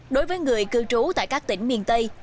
đối với người cư trú tại các tỉnh miền tây